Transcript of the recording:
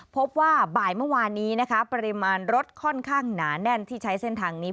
พบว่าบ่ายเมื่อวานนี้นะคะปริมาณรถค่อนข้างหนาแน่นที่ใช้เส้นทางนี้